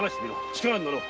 力になろう。